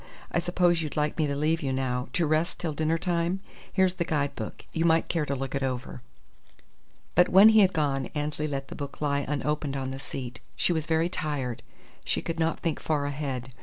I suppose you'd like me to leave you now, to rest till dinner time? Here's the guide book. You might care to look it over." But when he had gone Annesley let the book lie unopened on the seat. She was very tired. She could not think far ahead.